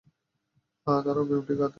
তারা অগ্রিম টাকাও দিয়েছে।